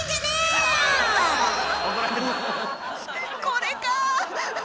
これか！